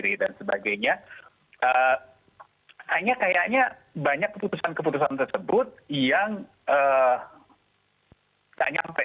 pada saat ini banyak keputusan keputusan tersebut yang tidak sampai